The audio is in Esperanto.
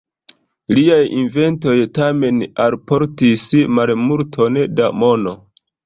Liaj inventoj tamen alportis malmulton da mono.